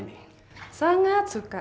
kalau ada yang aa kerumah